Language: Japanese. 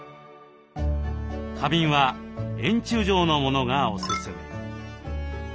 花瓶は円柱状のものがおすすめ。